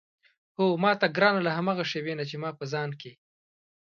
هو ماته ګرانه له هماغه شېبې نه چې ما په ځان کې.